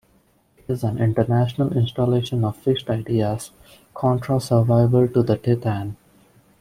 It is "an intentional installation of fixed ideas, contra-survival to the thetan".